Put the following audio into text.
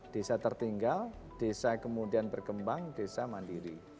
desa tertinggal desa kemudian berkembang desa mandiri